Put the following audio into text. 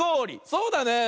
そうだね。